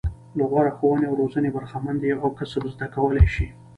له غوره ښوونې او روزنې برخمن دي او کسب زده کولای شي.